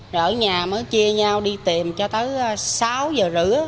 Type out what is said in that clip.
rồi ở nhà mới chia nhau đi tìm cho tới sáu giờ rửa